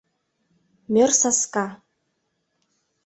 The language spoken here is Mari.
Мӧр саска.